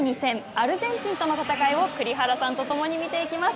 アルゼンチンとの戦いを、栗原さんと共に見ていきます。